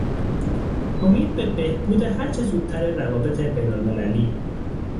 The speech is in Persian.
امید به بهبود هر چه زودتر روابط بین المللی